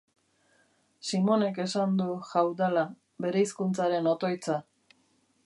Simonek esan du Hawdala, bereizkuntzaren otoitza.